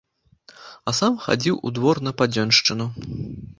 А сам хадзіў у двор на падзёншчыну.